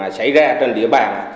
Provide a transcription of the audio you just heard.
xảy ra trên địa bàn